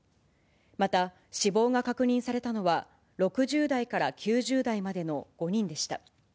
また死亡が確認されたのは、６０代から９０代までの５人でした。